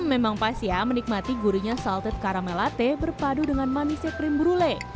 memang pas ya menikmati gurunya salted caramel latte berpadu dengan manisnya krim brulee